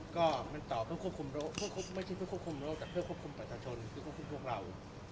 ก็มันตอบเพื่อควบคุมโรคเพื่อไม่ใช่เพื่อควบคุมโรคแต่เพื่อควบคุมประชาชนเพื่อควบคุมพวกเรา